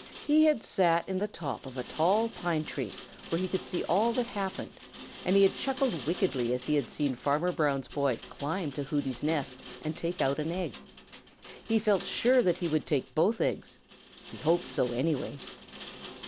He had sat in the top of a tall pine tree where he could see all that happened, and he had chuckled wickedly as he had seen Farmer Brown's boy climb to Hooty's nest and take out an egg. He felt sure that he would take both eggs. He hoped so, anyway.